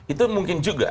itu mungkin juga